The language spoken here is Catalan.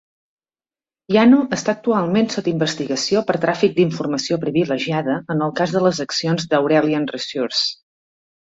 Ianno està actualment sota investigació per tràfic d'informació privilegiada en el cas de les accions d'Aurelian Resources.